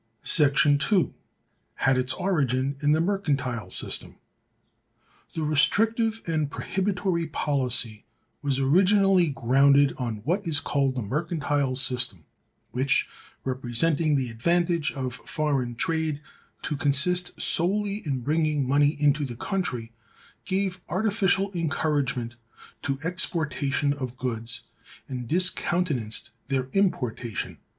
(357) § 2. —had its origin in the Mercantile System. The restrictive and prohibitory policy was originally grounded on what is called the Mercantile System, which, representing the advantage of foreign trade to consist solely in bringing money into the country, gave artificial encouragement to exportation of goods, and discountenanced their importation.